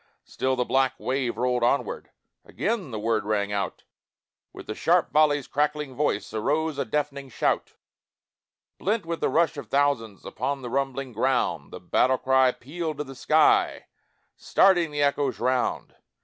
Still the black wave rolled onward Again the word rang out, With the sharp volley's crackling voice Arose a deafening shout: Blent with the rush of thousands Over the rumbling ground, The battle cry pealed to the sky, Starting the echoes round.